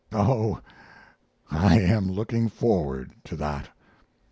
Oh! I am looking forward to that."